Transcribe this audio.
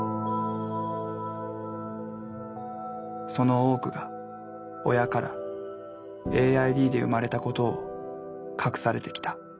その多くが親からＡＩＤで生まれたことを隠されてきた。